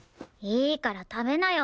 いいから食べなよ。